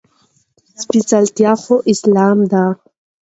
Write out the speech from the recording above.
سپېڅلتيا خو اسلام کې ده.